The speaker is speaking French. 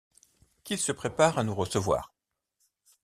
Qu’il se prépare à nous recevoir!